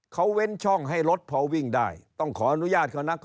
เขาเว้นช่องให้รถพอวิ่งได้ต้องขออนุญาตเขานะ